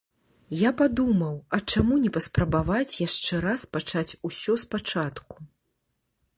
Я падумаў, а чаму не паспрабаваць яшчэ раз пачаць усё спачатку.